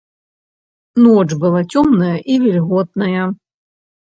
Ноч была цёмная і вільготная.